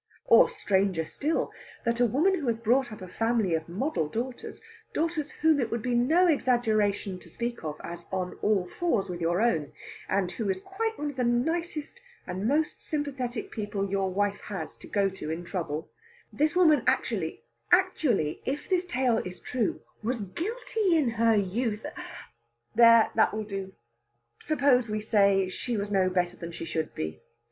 Or, stranger still, that a woman who has brought up a family of model daughters daughters whom it would be no exaggeration to speak of as on all fours with your own, and who is quite one of the nicest and most sympathetic people your wife has to go to in trouble this woman actually actually if this tale is true, was guilty in her youth ... there that will do! Suppose we say she was no better than she should be.